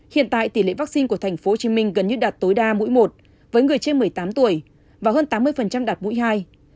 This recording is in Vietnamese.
hiện tại tỷ lệ vaccine của tp hcm gần như đạt tối đa mỗi một với người trên một mươi tám tuổi và hơn tám mươi đạt mũi hai